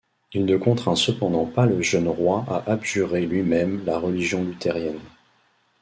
Il ne contraint cependant pas le jeune roi à abjurer lui-même la religion luthérienne.